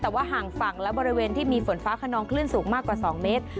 แต่ว่าห่างฝั่งและบริเวณที่มีฝนฟ้าขนองคลื่นสูงมากกว่า๒เมตร